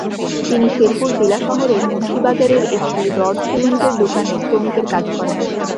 তিনি শেরপুর জেলা শহরের মুন্সি বাজারের একটি রড-সিমেন্টের দোকানে শ্রমিকের কাজ করেন।